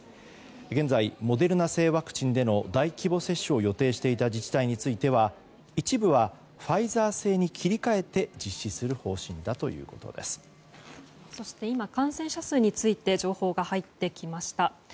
現在、モデルナ製ワクチンでの大規模接種を予定していた自治体については一部はファイザー製に切り替えてそして今、感染者数について情報が入ってきました。